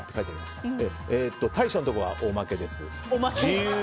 大将のところはおまけです。